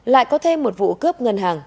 lại có thêm một vụ cướp ngân hàng